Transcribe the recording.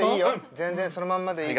全然そのまんまでいい。